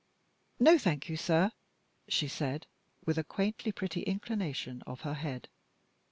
"No, thank you, sir," she said, with a quaintly pretty inclination of her head.